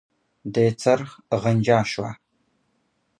د څرخ غنجا شوه.